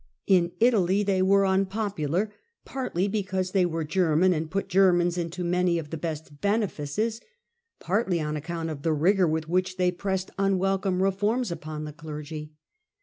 In Italy they were unpopular, partly because they ;Were German, and put Germans into many of the best benMces ; partly on account of the rigour with which they pressed un welcome reforms upon the clergy.